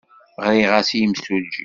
Ɣriɣ-as i yimsujji.